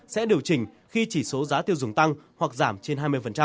sẽ điều chỉnh khi chỉ số giá tiêu dùng tăng hoặc giảm trên hai mươi